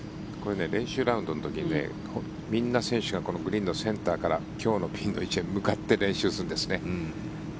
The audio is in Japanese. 練習ラウンドの時にみんな選手はグリーンのセンターから今日のピンの位置に向かって必ず練習するんですね。